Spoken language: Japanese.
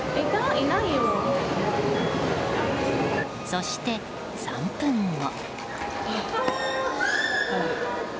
そして３分後。